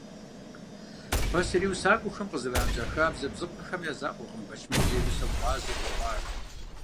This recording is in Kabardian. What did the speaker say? Пасэрей усакӀуэхэм къызэранэкӀа хабзэ-бзыпхъэхэм я закъуэкъым Бэчмырзэ и усэм гъуазэ хуэхъуар.